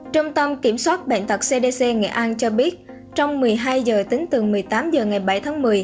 trung tâm kiểm soát bệnh tật cdc nghệ an cho biết trong một mươi hai h tính từ một mươi tám h ngày bảy tháng một mươi